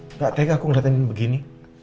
enggak tega aku ngeliat andien begini